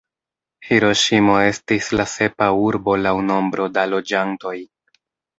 Hiroŝimo estis la sepa urbo laŭ nombro da loĝantoj.